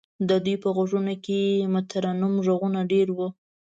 د دوی په غوږونو کې مترنم غږونه دېره وو.